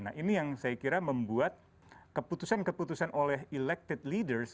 nah ini yang saya kira membuat keputusan keputusan oleh elected leaders